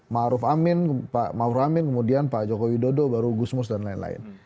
ma'ruf amin kemudian pak jokowi dodo baru gusmus dan lain lain